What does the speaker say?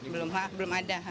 belum ada belum ada infonya